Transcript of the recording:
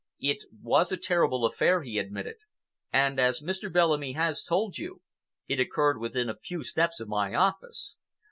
"It was a terrible affair," he admitted, "and, as Mr. Bellamy has told you, it occurred within a few steps of my office.